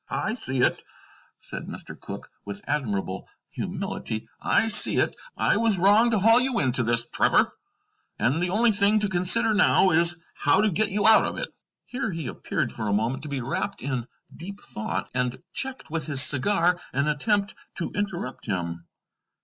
"I see it," said Mr. Cooke, with admirable humility; "I see it. I was wrong to haul you into this, Trevor. And the only thing to consider now is, how to get you out of it." Here he appeared for a moment to be wrapped in deep thought, and checked with his cigar an attempt to interrupt him.